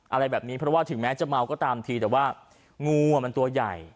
อะไรแบบนี้เพราะว่าถึงแม้จะเมาก็ตามทีแต่ว่างูอ่ะมันตัวใหญ่